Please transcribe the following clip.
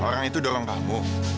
orang itu dalam kamu